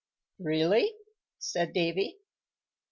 "Really?" said Davy.